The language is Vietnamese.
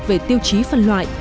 về tiêu chí phân loại